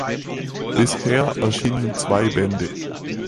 Bisher erschienen zwei Bände.